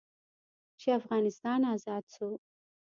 چې افغانستان ازاد سو.